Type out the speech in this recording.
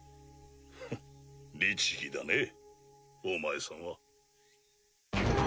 ふっ律儀だねお前さんは。